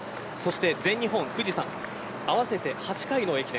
全日本、富士山を合わせた８回の駅伝